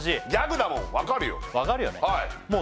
わかるよね